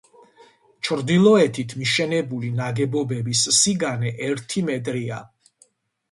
ჩრდილოეთით მიშენებული ნაგებობების სიგანე ერთი მეტრია.